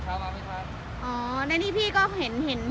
โอ้มีคนมาเยอะไหมค่ะพี่เมื่อเช้า